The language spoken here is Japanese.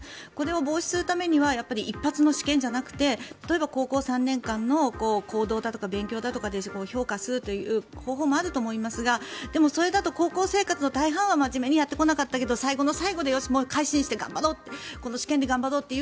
これを防止するためには一発の試験じゃなくて例えば高校３年間の行動だとか勉強だとかで評価するという方法もあると思いますがでもそれだと高校生活の大半は真面目にやってこなかったけど最後の最後でよし、改心して頑張ろう